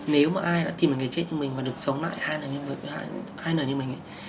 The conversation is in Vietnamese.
nếu mà ai đã tìm đến cái chết như mình và được sống lại hai lần như mình